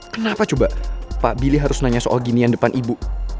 kenapa coba pak billy harus nanya soal ginian depan ibu